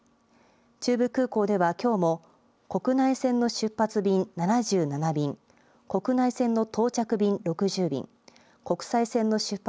中部空港ではきょうも国内線の出発便７７便、国内線の到着便６０便、国際線の出発